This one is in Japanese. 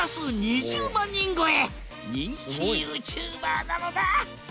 人気ＹｏｕＴｕｂｅｒなのだ！